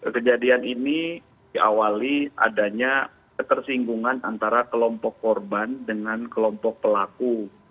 kejadian ini diawali adanya ketersinggungan antara kelompok korban dengan kelompok pelaku